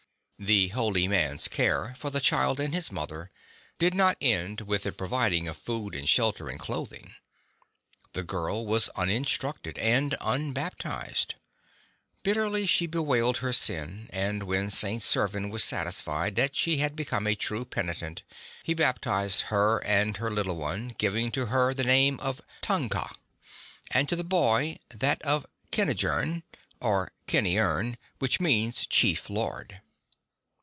The holy man's care for the child and his mother did not end with the providing of food and shelter and clothing. The girl was uninstructed and unbaptized. Bitterly she bewailed her sin, and when St. Servan was satisfied that she had be come a true penitent he baptized her and her little one, giv ing to her the name of Tanca, and to the boy that of Kenti gern, or Kentiern, which means "chief lord."